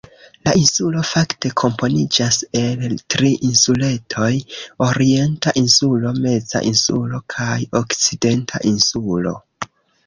La insulo fakte komponiĝas el tri insuletoj: Orienta Insulo, Meza Insulo kaj Okcidenta Insulo.